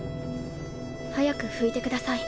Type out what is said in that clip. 早く拭いてください